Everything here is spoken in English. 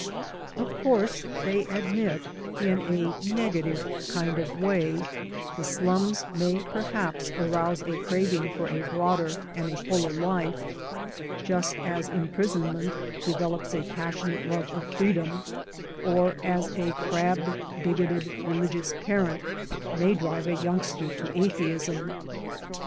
Of course, they admit, in a 188 SHIRTS AND PHILOSOPHY negative kind of way, the slums may perhaps arouse a craving for a broader and a fuller life, just as imprison ment develops a passionate love of freedom, or as a crabbed, bigoted rehgious parent may drive a youngster to atheism.